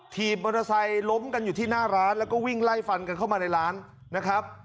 ถีบมอเตอร์ไซค์ล้มกันอยู่ที่หน้าร้านแล้วก็วิ่งไล่ฟันกันเข้ามาในร้านนะครับ